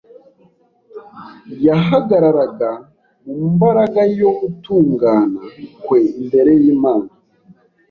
Yahagararaga mu mbaraga yo gutungana kwe imbere y’Imana